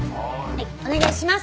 はいお願いします。